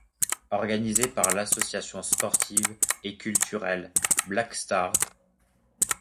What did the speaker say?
Organisé par l'Association Sportive et Culturelle Black Stars.